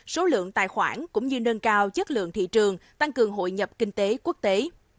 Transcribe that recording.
số lượng tài khoản cũng như nâng cao chất lượng thị trường tăng cường hội nhập kinh tế quốc tế